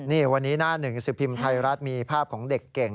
นี่วันนี้หน้าหนึ่งสิบพิมพ์ไทยรัฐมีภาพของเด็กเก่ง